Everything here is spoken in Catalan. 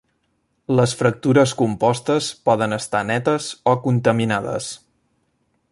Les fractures compostes poden estar netes o contaminades.